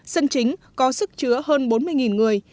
sân chính có sức chứa hơn bốn mươi người